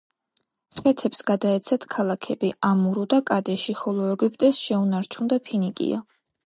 ხეთებს გადაეცათ ქალაქები ამურუ და კადეში, ხოლო ეგვიპტეს შეუნარჩუნდა ფინიკია.